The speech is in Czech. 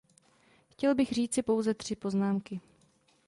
Chtěl bych říci pouze tři poznámky.